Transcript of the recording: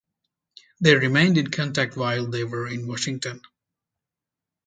They remained in contact while they were in Washington.